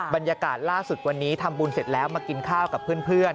บรรยากาศล่าสุดวันนี้ทำบุญเสร็จแล้วมากินข้าวกับเพื่อน